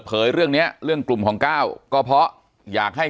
ปากกับภาคภูมิ